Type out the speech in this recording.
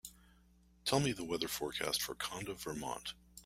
Tell me the weather forecast for Conda, Vermont